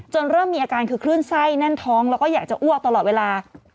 เริ่มมีอาการคือคลื่นไส้แน่นท้องแล้วก็อยากจะอ้วกตลอดเวลา